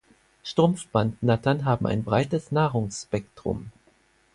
Strumpfbandnattern haben ein breites Nahrungsspektrum.